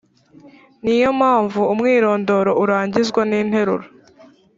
Ni yo mpamvu umwirondoro urangizwa n’interuro